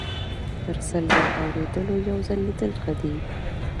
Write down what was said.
- تر سل ځل اوریدلو یو ځل لیدل ښه دي.